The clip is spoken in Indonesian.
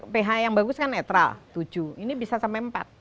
ph yang bagus kan netral tujuh ini bisa sampai empat